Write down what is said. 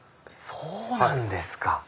そうなんですか！